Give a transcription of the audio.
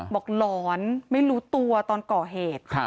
หลอนไม่รู้ตัวตอนก่อเหตุ